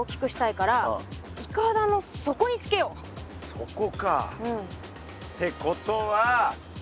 そこか。ってことは。